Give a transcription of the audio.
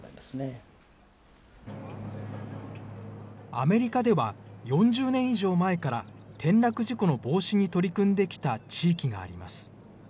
アメリカでは、４０年以上前から転落事故の防止に取り組んできた地域があります。